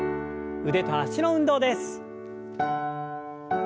腕と脚の運動です。